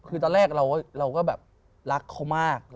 คือตอนแรกเราก็แบบรักเขามาก